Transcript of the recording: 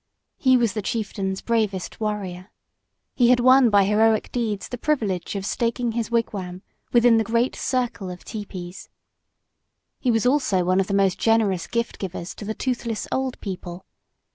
He was the chieftain's bravest warrior. He had won by heroic deeds the privilege of staking his wigwam within the great circle of tepees. He was also one of the most generous gift givers to the toothless old people.